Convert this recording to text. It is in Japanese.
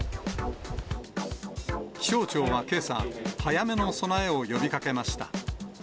気象庁はけさ、早めの備えを呼びかけました。